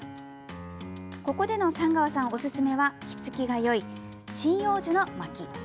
ここでの寒川さんおすすめは火つきがよい、針葉樹のまき。